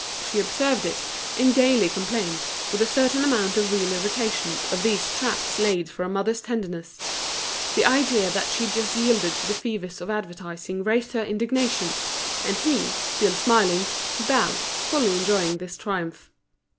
She observed it, and gaily complained, with a certain amount of real irritation, of these traps laid for a mother's tenderness; the idea that she had just yielded to the fevers of advertising raised her indignation, and he, still smiling, bowed, fully enjoying this triumph.